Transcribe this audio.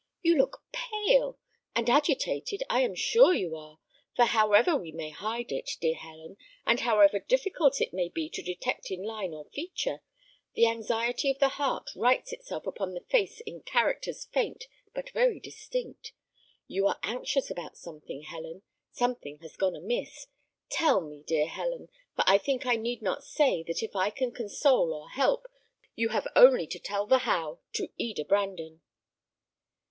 "You look pale; and agitated I am sure you are; for however we may hide it, dear Helen, and however difficult it may be to detect in line or feature, the anxiety of the heart writes itself upon the face in characters faint but very distinct. You are anxious about something, Helen. Something has gone amiss. Tell me, dear Helen; for I think I need not say that if I can console or help, you have only to tell the how, to Eda Brandon."